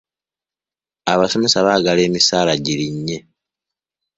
Abasomesa baagala emisaala girinnye.